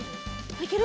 いける？